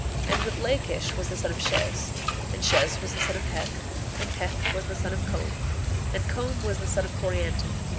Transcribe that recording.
1:24 And Riplakish was the son of Shez. 1:25 And Shez was the son of Heth. 1:26 And Heth was the son of Com. 1:27 And Com was the son of Coriantum.